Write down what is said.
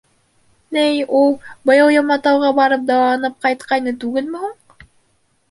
— Ни, ул, быйыл Йоматауға барып, дауаланып ҡайтҡайны түгелме һуң?